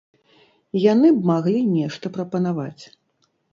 Яны б маглі нешта прапанаваць.